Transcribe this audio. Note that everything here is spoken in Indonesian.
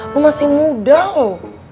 lo masih muda lo